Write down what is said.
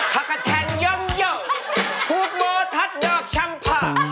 ถ้ากระแทนย่องย่องพลูกเบอร์ทัดดอกชำพ่อ